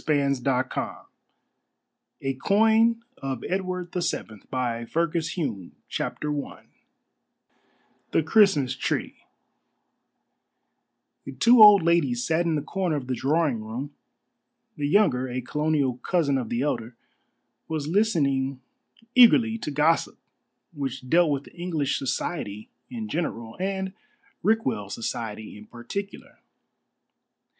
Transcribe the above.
A RAT IN A CORNER 245 XXV. A CATASTROPHE 259 XXVI. THE END OF THE TROUBLE 272 CHAPTER I THE CHRISTMAS TREE Two old ladies sat in the corner of the drawing room. The younger a colonial cousin of the elder was listening eagerly to gossip which dealt with English society in general, and Rickwell society in particular.